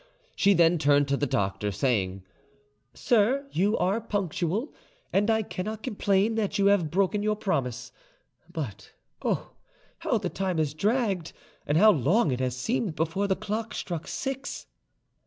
She then turned to the doctor, saying, "Sir, you are punctual, and I cannot complain that you have broken your promise; but oh, how the time has dragged, and how long it has seemed before the clock struck six!"